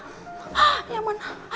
hahhh yang mana